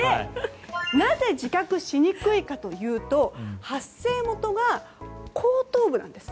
なぜ自覚しにくいかというと発生元が後頭部なんです。